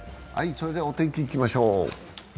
それではお天気いきましょう。